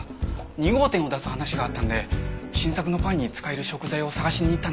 ２号店を出す話があったんで新作のパンに使える食材を探しに行ったんです。